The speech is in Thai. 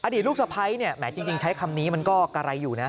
ดีลูกสะพ้ายเนี่ยแหมจริงใช้คำนี้มันก็กะไรอยู่นะ